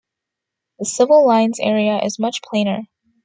The Civil Lines area is much plainer.